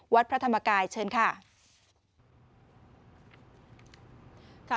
วัดพระธรรมกายเชิญค่ะ